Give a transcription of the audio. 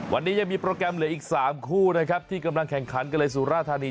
วันนี้ยังมีโปรแกรมเหลืออีก๓คู่นะครับที่กำลังแข่งขันกันเลยสุราธานี